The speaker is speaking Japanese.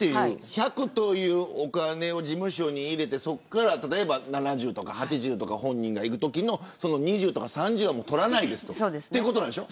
１００というお金を事務所に入れてそこから７０とか８０とか本人にいくときの２０とか３０は取りませんということでしょ。